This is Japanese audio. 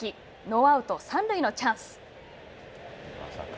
ノーアウト、三塁のチャンス。